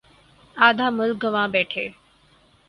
آدھا ملک گنوا بیٹھے۔